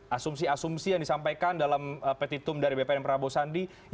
asumsi asumsi yang disampaikan dalam petitum dari bpn prabowo sandi